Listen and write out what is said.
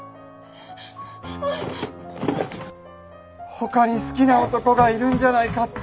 他に好きな男がいるんじゃないかって。